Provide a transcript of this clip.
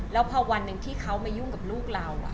แล้วพอวันหนึ่งที่เขามายุ่งกับลูกเรา